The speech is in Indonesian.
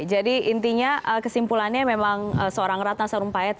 jadi intinya kesimpulannya memang seorang ratna seorang payet